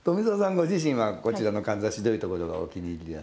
ご自身はこちらのかんざしどういうところがお気に入りでいらっしゃいます？